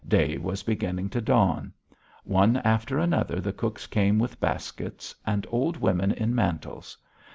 Day was beginning to dawn. One after another the cooks came with baskets and old women in mantles.